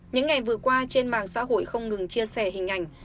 những ngày vừa qua trên mạng xã hội không ngừng chia sẻ hình ảnh